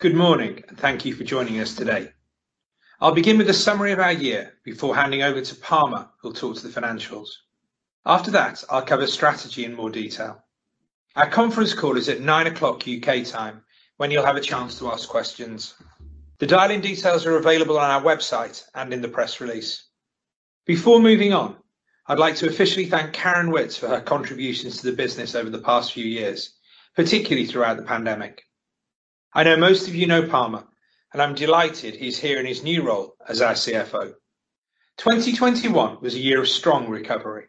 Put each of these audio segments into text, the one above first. Good morning, and thank you for joining us today. I'll begin with a summary of our year before handing over to Palmer, who'll talk to the financials. After that, I'll cover strategy in more detail. Our conference call is at 9:00 A.M. U.K. time, when you'll have a chance to ask questions. The dial-in details are available on our website and in the press release. Before moving on, I'd like to officially thank Karen Witts for her contributions to the business over the past few years, particularly throughout the pandemic. I know most of you know Palmer, and I'm delighted he's here in his new role as our CFO. 2021 was a year of strong recovery.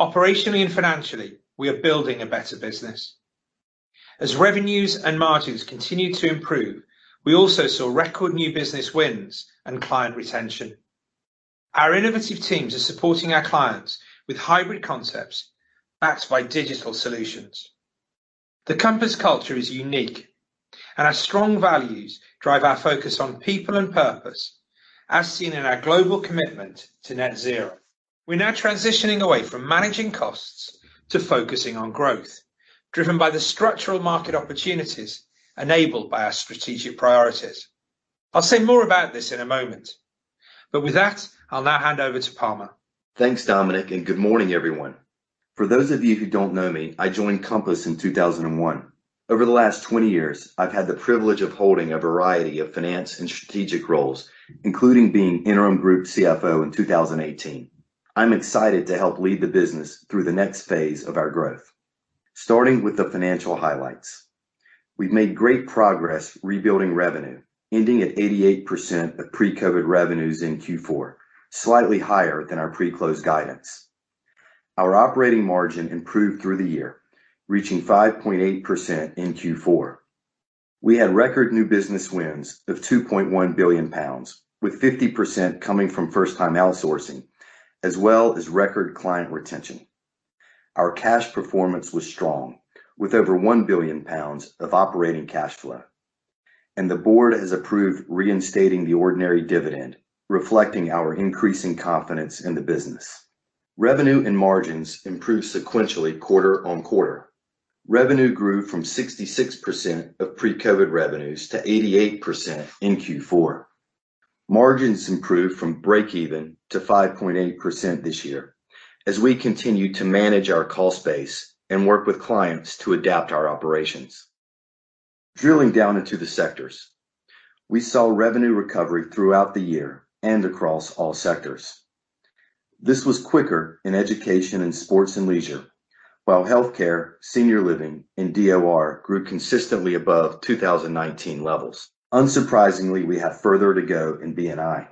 Operationally and financially, we are building a better business. As revenues and margins continued to improve, we also saw record new business wins and client retention. Our innovative teams are supporting our clients with hybrid concepts backed by digital solutions. The Compass culture is unique, and our strong values drive our focus on people and purpose, as seen in our global commitment to net zero. We're now transitioning away from managing costs to focusing on growth, driven by the structural market opportunities enabled by our strategic priorities. I'll say more about this in a moment, but with that, I'll now hand over to Palmer. Thanks, Dominic, and good morning, everyone. For those of you who don't know me, I joined Compass in 2001. Over the last 20 years, I've had the privilege of holding a variety of finance and strategic roles, including being interim group CFO in 2018. I'm excited to help lead the business through the next phase of our growth. Starting with the financial highlights. We've made great progress rebuilding revenue, ending at 88% of pre-COVID revenues in Q4, slightly higher than our pre-close guidance. Our operating margin improved through the year, reaching 5.8% in Q4. We had record new business wins of 2.1 billion pounds, with 50% coming from first-time outsourcing, as well as record client retention. Our cash performance was strong, with over 1 billion pounds of operating cash flow. The board has approved reinstating the ordinary dividend, reflecting our increasing confidence in the business. Revenue and margins improved sequentially quarter on quarter. Revenue grew from 66% of pre-COVID revenues to 88% in Q4. Margins improved from break even to 5.8% this year as we continue to manage our cost base and work with clients to adapt our operations. Drilling down into the sectors. We saw revenue recovery throughout the year and across all sectors. This was quicker in education and sports and leisure, while healthcare, senior living, and DOR grew consistently above 2019 levels. Unsurprisingly, we have further to go in B&I.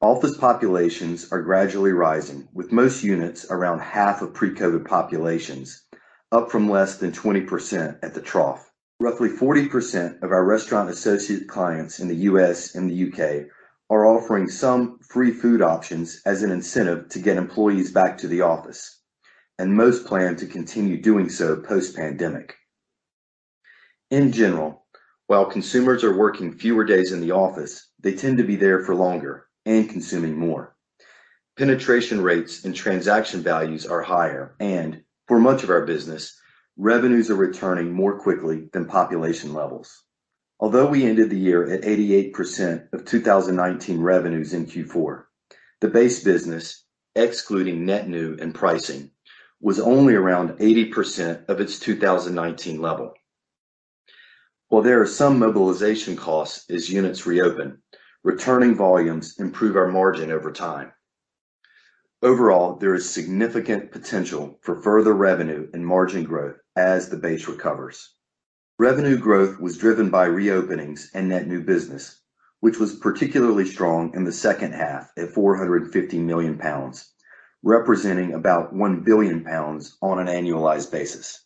Office populations are gradually rising, with most units around half of pre-COVID populations, up from less than 20% at the trough. Roughly 40% of our Restaurant Associates clients in the U.S. and the U.K. are offering some free food options as an incentive to get employees back to the office, and most plan to continue doing so post-pandemic. In general, while consumers are working fewer days in the office, they tend to be there for longer and consuming more. Penetration rates and transaction values are higher and for much of our business, revenues are returning more quickly than population levels. Although we ended the year at 88% of 2019 revenues in Q4, the base business, excluding net new and pricing, was only around 80% of its 2019 level. While there are some mobilization costs as units reopen, returning volumes improve our margin over time. Overall, there is significant potential for further revenue and margin growth as the base recovers. Revenue growth was driven by reopenings and net new business, which was particularly strong in the second half at 450 million pounds, representing about 1 billion pounds on an annualized basis.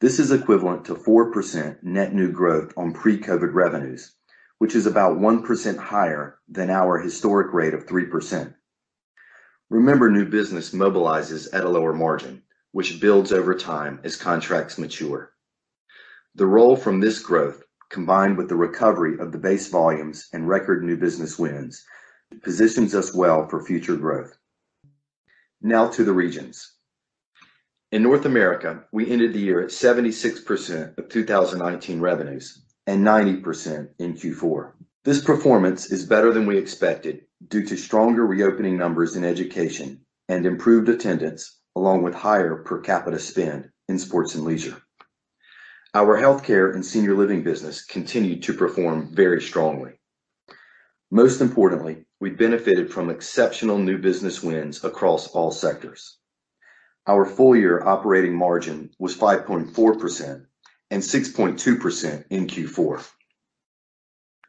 This is equivalent to 4% net new growth on pre-COVID revenues, which is about 1% higher than our historic rate of 3%. Remember, new business mobilizes at a lower margin, which builds over time as contracts mature. The roll from this growth, combined with the recovery of the base volumes and record new business wins, positions us well for future growth. Now to the regions. In North America, we ended the year at 76% of 2019 revenues and 90% in Q4. This performance is better than we expected due to stronger reopening numbers in education and improved attendance, along with higher per capita spend in sports and leisure. Our healthcare and senior living business continued to perform very strongly. Most importantly, we benefited from exceptional new business wins across all sectors. Our full year operating margin was 5.4% and 6.2% in Q4.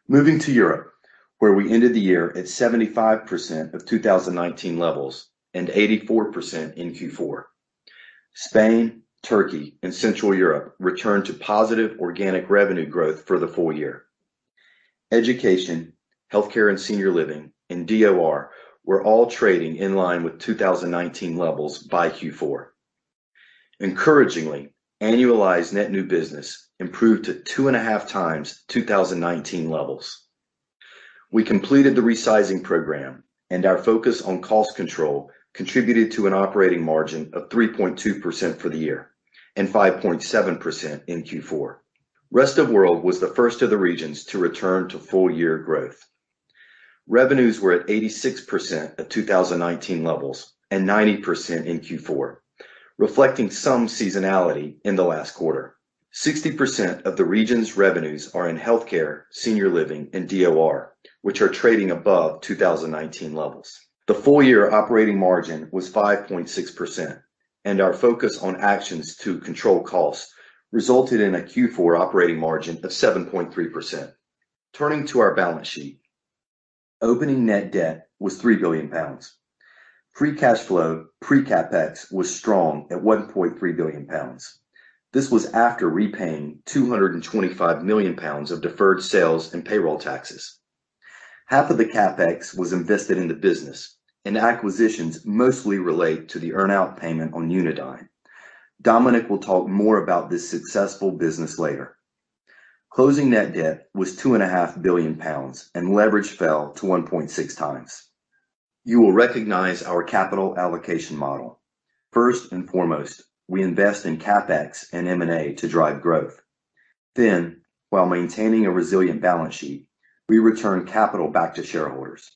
Moving to Europe, where we ended the year at 75% of 2019 levels and 84% in Q4. Spain, Turkey, and Central Europe returned to positive organic revenue growth for the full year. Education, healthcare and senior living, and DOR were all trading in line with 2019 levels by Q4. Encouragingly, annualized net new business improved to 2.5x 2019 levels. We completed the resizing program, and our focus on cost control contributed to an operating margin of 3.2% for the year and 5.7% in Q4. Rest of World was the first of the regions to return to full-year growth. Revenues were at 86% of 2019 levels and 90% in Q4, reflecting some seasonality in the last quarter. 60% of the region's revenues are in healthcare, senior living and DOR, which are trading above 2019 levels. The full year operating margin was 5.6%, and our focus on actions to control costs resulted in a Q4 operating margin of 7.3%. Turning to our balance sheet, opening net debt was 3 billion pounds. Free cash flow, pre-CapEx was strong at 1.3 billion pounds. This was after repaying 225 million pounds of deferred sales and payroll taxes. Half of the CapEx was invested in the business, and acquisitions mostly relate to the earn out payment on Unidine. Dominic will talk more about this successful business later. Closing net debt was 2.5 billion pounds, and leverage fell to 1.6 times. You will recognize our capital allocation model. First and foremost, we invest in CapEx and M&A to drive growth. While maintaining a resilient balance sheet, we return capital back to shareholders.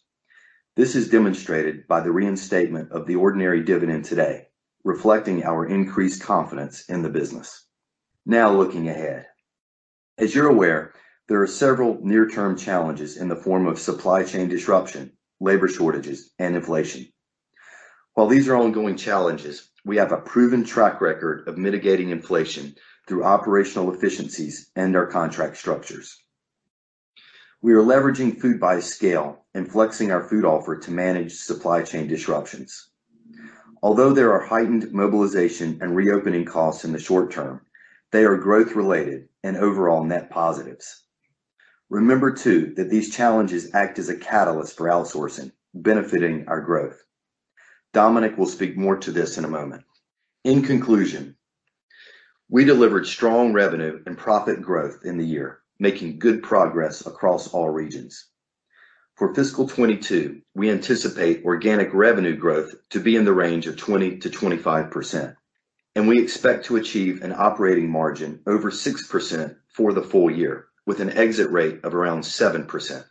This is demonstrated by the reinstatement of the ordinary dividend today, reflecting our increased confidence in the business. Now looking ahead. As you're aware, there are several near-term challenges in the form of supply chain disruption, labor shortages and inflation. While these are ongoing challenges, we have a proven track record of mitigating inflation through operational efficiencies and our contract structures. We are leveraging food by scale and flexing our food offer to manage supply chain disruptions. Although there are heightened mobilization and reopening costs in the short term, they are growth related and overall net positives. Remember, too, that these challenges act as a catalyst for outsourcing, benefiting our growth. Dominic will speak more to this in a moment. In conclusion, we delivered strong revenue and profit growth in the year, making good progress across all regions. For fiscal 2022, we anticipate organic revenue growth to be in the range of 20%-25%, and we expect to achieve an operating margin over 6% for the full year, with an exit rate of around 7%.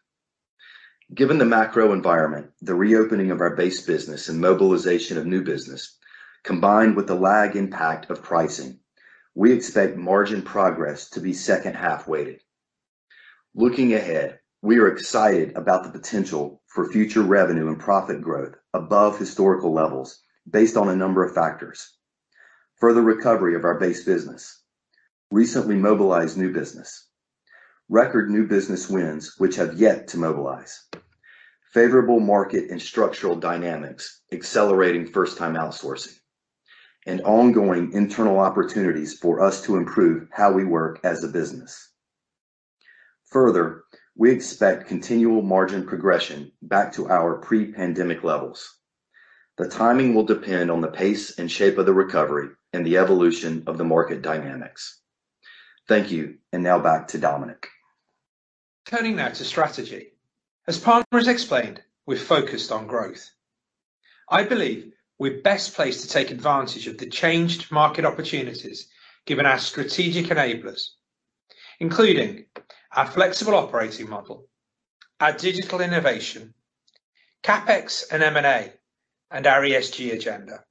Given the macro environment, the reopening of our base business and mobilization of new business combined with the lag impact of pricing, we expect margin progress to be second half weighted. Looking ahead, we are excited about the potential for future revenue and profit growth above historical levels based on a number of factors, further recovery of our base business, recently mobilized new business, record new business wins, which have yet to mobilize, favorable market and structural dynamics accelerating first-time outsourcing, and ongoing internal opportunities for us to improve how we work as a business. Further, we expect continual margin progression back to our pre-pandemic levels. The timing will depend on the pace and shape of the recovery and the evolution of the market dynamics. Thank you. Now back to Dominic. Turning now to strategy. As Palmer has explained, we're focused on growth. I believe we're best placed to take advantage of the changed market opportunities given our strategic enablers, including our flexible operating model, our digital innovation, CapEx and M&A, and our ESG agenda.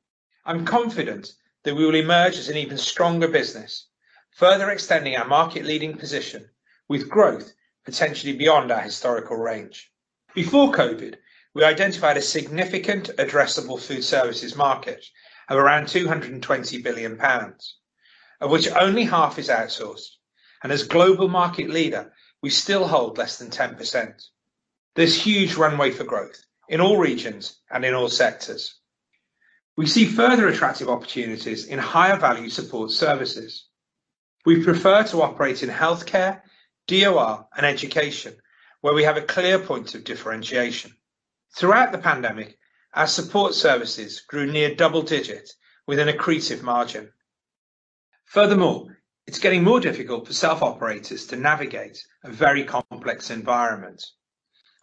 I'm confident that we will emerge as an even stronger business, further extending our market-leading position with growth potentially beyond our historical range. Before COVID, we identified a significant addressable food services market of around 220 billion pounds, of which only half is outsourced. As global market leader, we still hold less than 10%. There's huge runway for growth in all regions and in all sectors. We see further attractive opportunities in higher value support services. We prefer to operate in healthcare, DOR and education, where we have a clear point of differentiation. Throughout the pandemic, our support services grew near double digits with an accretive margin. Furthermore, it's getting more difficult for self-operators to navigate a very complex environment,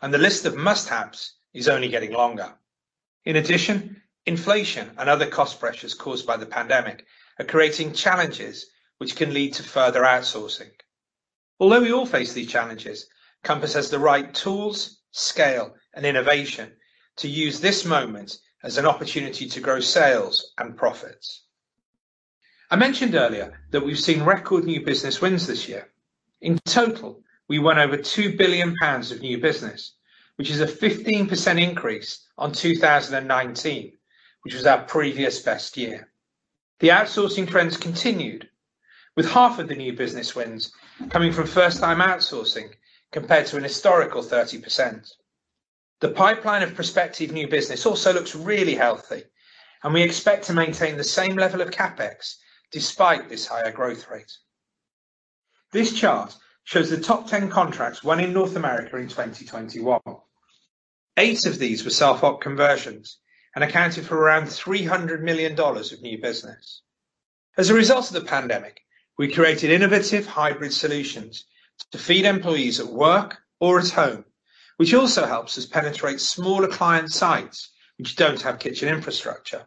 and the list of must-haves is only getting longer. In addition, inflation and other cost pressures caused by the pandemic are creating challenges which can lead to further outsourcing. Although we all face these challenges, Compass has the right tools, scale and innovation to use this moment as an opportunity to grow sales and profits. I mentioned earlier that we've seen record new business wins this year. In total, we won over 2 billion pounds of new business, which is a 15% increase on 2019, which was our previous best year. The outsourcing trends continued with half of the new business wins coming from first-time outsourcing compared to an historical 30%. The pipeline of prospective new business also looks really healthy, and we expect to maintain the same level of CapEx despite this higher growth rate. This chart shows the top 10 contracts won in North America in 2021. Eight of these were self-op conversions and accounted for around $300 million of new business. As a result of the pandemic, we created innovative hybrid solutions to feed employees at work or at home, which also helps us penetrate smaller client sites which don't have kitchen infrastructure.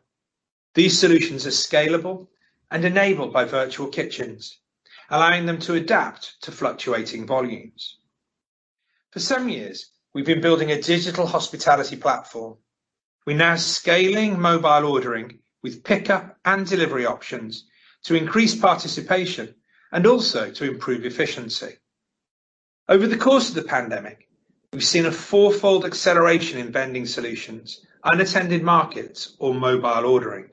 These solutions are scalable and enabled by virtual kitchens, allowing them to adapt to fluctuating volumes. For some years, we've been building a digital hospitality platform. We're now scaling mobile ordering with pickup and delivery options to increase participation and also to improve efficiency. Over the course of the pandemic, we've seen a four-fold acceleration in vending solutions, unattended markets or mobile ordering.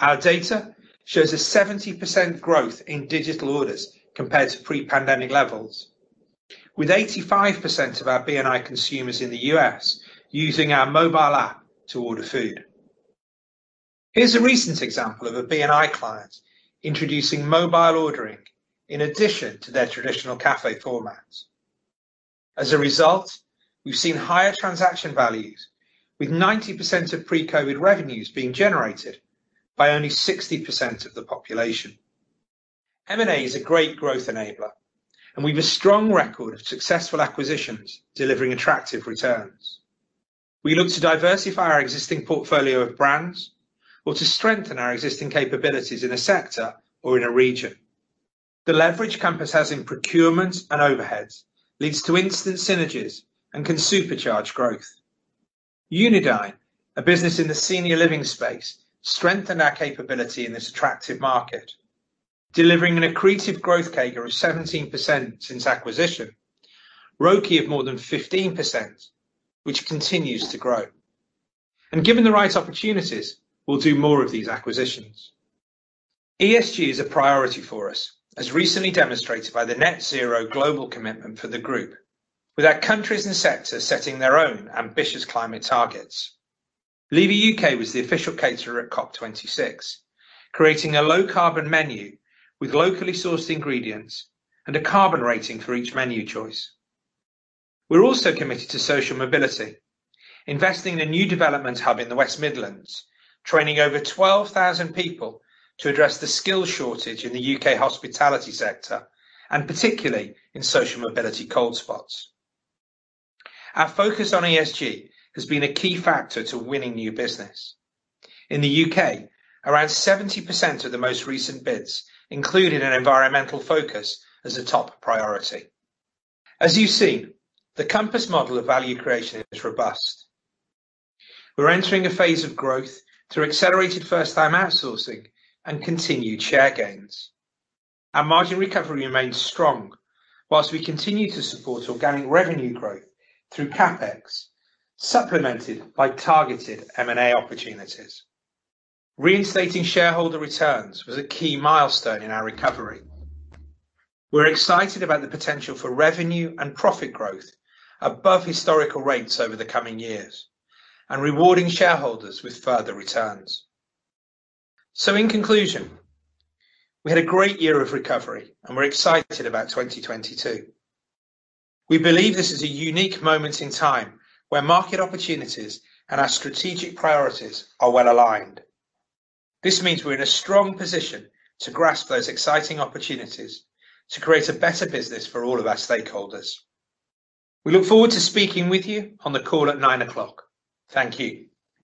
Our data shows a 70% growth in digital orders compared to pre-pandemic levels, with 85% of our B&I consumers in the U.S. using our mobile app to order food. Here's a recent example of a B&I client introducing mobile ordering in addition to their traditional cafe formats. As a result, we've seen higher transaction values with 90% of pre-COVID revenues being generated by only 60% of the population. M&A is a great growth enabler, and we have a strong record of successful acquisitions delivering attractive returns. We look to diversify our existing portfolio of brands or to strengthen our existing capabilities in a sector or in a region. The leverage Compass has in procurement and overheads leads to instant synergies and can supercharge growth. Unidine, a business in the senior living space, strengthened our capability in this attractive market, delivering an accretive growth CAGR of 17% since acquisition, ROCE of more than 15%, which continues to grow. Given the right opportunities, we'll do more of these acquisitions. ESG is a priority for us, as recently demonstrated by the net zero global commitment for the group, with our countries and sectors setting their own ambitious climate targets. Levy UK was the official caterer at COP26, creating a low carbon menu with locally sourced ingredients and a carbon rating for each menu choice. We're also committed to social mobility, investing in a new development hub in the West Midlands, training over 12,000 people to address the skills shortage in the U.K. hospitality sector, and particularly in social mobility cold spots. Our focus on ESG has been a key factor to winning new business. In the U.K., around 70% of the most recent bids included an environmental focus as a top priority. As you've seen, the Compass model of value creation is robust. We're entering a phase of growth through accelerated first-time outsourcing and continued share gains. Our margin recovery remains strong while we continue to support organic revenue growth through CapEx, supplemented by targeted M&A opportunities. Reinstating shareholder returns was a key milestone in our recovery. We're excited about the potential for revenue and profit growth above historical rates over the coming years and rewarding shareholders with further returns. In conclusion, we had a great year of recovery, and we're excited about 2022. We believe this is a unique moment in time where market opportunities and our strategic priorities are well aligned. This means we're in a strong position to grasp those exciting opportunities to create a better business for all of our stakeholders. We look forward to speaking with you on the call at 9:00 A.M. Thank you.